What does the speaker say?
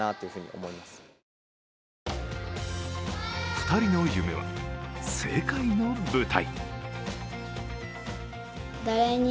２人の夢は世界の舞台。